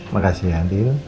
makasih ya andien